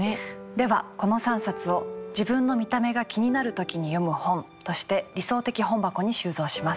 ではこの３冊を「自分の見た目が気になる時に読む本」として理想的本箱に収蔵します。